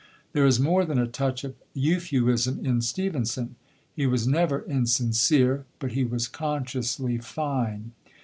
There is more than a touch of Euphuism in Stevenson; he was never insincere, but he was consciously fine.